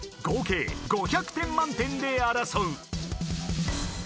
［合計５００点満点で争う］